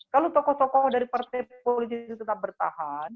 kalau tokoh tokoh dari partai politik itu tetap bertahan